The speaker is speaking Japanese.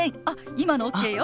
今のＯＫよ！